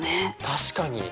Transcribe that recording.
確かに。